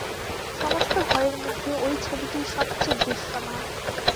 সমস্ত ঘরের মধ্যে ঐ ছবিটিই সব চেয়ে দৃশ্যমান।